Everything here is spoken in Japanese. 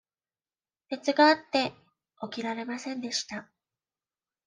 熱があって、起きられませんでした。